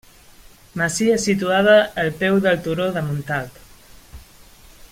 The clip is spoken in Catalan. Masia situada al peu del Turó de Montalt.